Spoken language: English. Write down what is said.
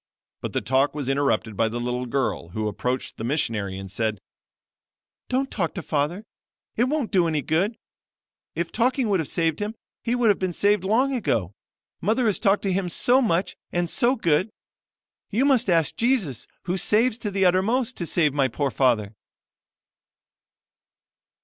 But the talk was interrupted by the little girl, who approached the missionary, and said: 'Don't talk to father; it won't do any good. If talking would have saved him, he would have been saved long ago. Mother has talked to him so much and so good. You must ask Jesus, who saves to the uttermost, to save my poor father.'